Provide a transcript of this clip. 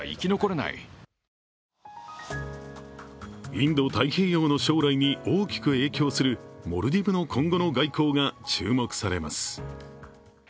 インド太平洋の将来に大きく影響するモルディブの今後の外交が注目されます。